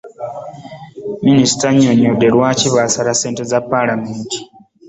Minisita annyonyodde lwaki baasala ssente za Paalamenti.